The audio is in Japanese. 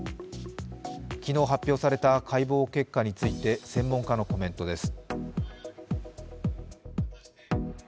昨日発表された解剖結果について専門家のコメントです。